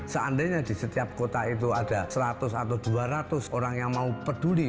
seandainya di setiap kota itu ada seratus atau dua ratus orang yang mau peduli